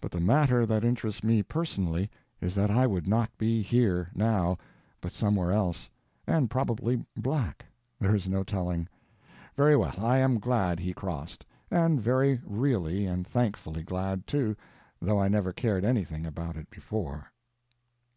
But the matter that interests me personally is that I would not be _here _now, but somewhere else; and probably black—there is no telling. Very well, I am glad he crossed. And very really and thankfully glad, too, though I never cared anything about it before.